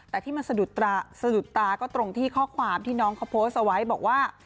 แต่ที่มันสะดุดตาก็ตรงที่ข้อความที่น้องเขาโพสต์เอาไว้บอกว่า